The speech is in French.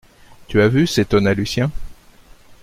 Tu as vu, s’étonna Lucien